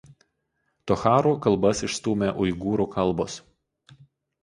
Tocharų kalbas išstūmė uigūrų kalbos.